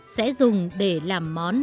sẽ dùng để làm món cá nướng